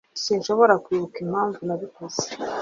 Sinshobora kwibuka impamvu nabikoze.